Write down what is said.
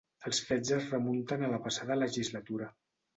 Els fets es remunten a la passada legislatura.